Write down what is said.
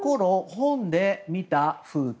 本で見た風景。